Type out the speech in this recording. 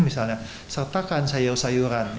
misalnya sertakan sayur sayuran